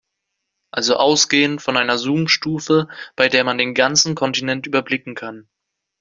Also ausgehend von einer Zoomstufe, bei der man den ganzen Kontinent überblicken kann.